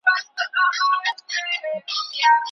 زما یې په ازل کي په شهباز قلم وهلی دی